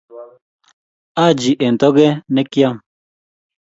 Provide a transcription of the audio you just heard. Haji eng togee ne kiyam